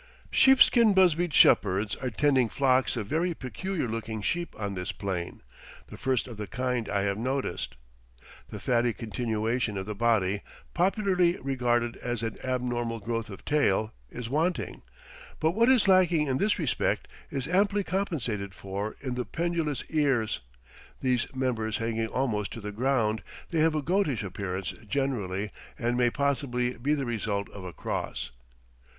Sheepskin busbied shepherds are tending flocks of very peculiar looking sheep on this plain, the first of the kind I have noticed. The fatty continuation of the body, popularly regarded as an abnormal growth of tail, is wanting; but what is lacking in this respect is amply compensated for in the pendulous ears, these members hanging almost to the ground; they have a goatish appearance generally, and may possibly be the result of a cross.